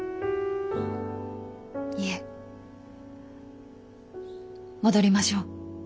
いえ戻りましょう。